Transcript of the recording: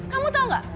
kamu tau gak